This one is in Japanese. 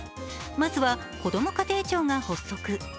まずは、こども家庭庁が発足。